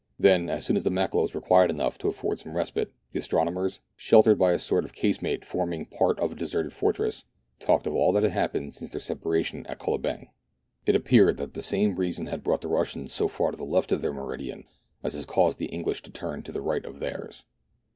Then, as soon as the Makololos were quiet enough to afford some respite, the astronomers, sheltered by a sort of casemate forming part of a deserted fortress, talked of all that had happened since their separation at Kolobeng. It appeared that the same reason had brought the Russians so far to the left of their meridian as had caused the English to turn to the right of theirs.